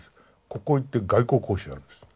ここへ行って外交交渉やるんです。